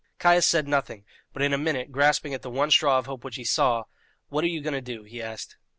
Caius said nothing; but in a minute, grasping at the one straw of hope which he saw, "What are you going to do?" he asked.